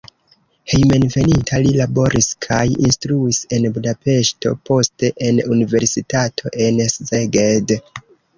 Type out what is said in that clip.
Hejmenveninta li laboris kaj instruis en Budapeŝto, poste en universitato en Szeged.